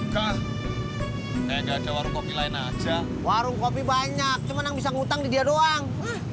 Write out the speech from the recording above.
kah enggak ada warung kopi lain aja warung kopi banyak cuman bisa ngutang dia doang